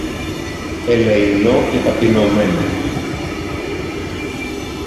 ελεεινό και ταπεινωμένο.